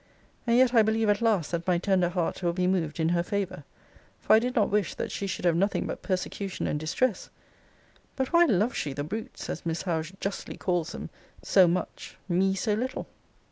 And yet I believe at last, that my tender heart will be moved in her favour. For I did not wish that she should have nothing but persecution and distress. But why loves she the brutes, as Miss Howe justly calls them, so much; me so little?